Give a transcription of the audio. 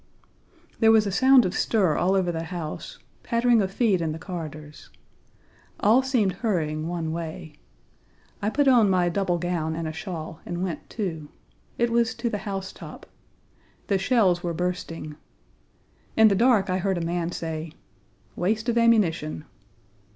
There was a sound of stir all over the house, pattering of feet in the corridors. All seemed hurrying one way. I put on my double gown and a shawl and went, too. It was to the housetop. The shells were bursting. In the dark I heard a man say, "Waste of ammunition."